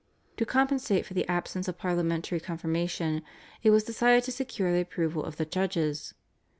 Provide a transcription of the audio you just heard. To compensate for the absence of parliamentary confirmation, it was decided to secure the approval of the judges.